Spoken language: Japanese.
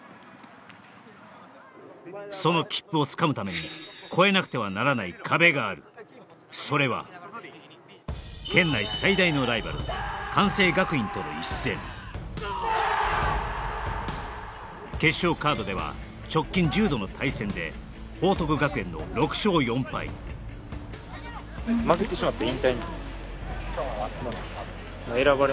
その切符をつかむために越えなくてはならない壁があるそれは県内最大のライバル関西学院との１戦決勝カードでは直近１０度の対戦で報徳学園の６勝４敗せーのはろばろ